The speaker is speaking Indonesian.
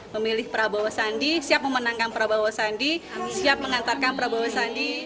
memilih prabowo sandi siap memenangkan prabowo sandi siap mengantarkan prabowo sandi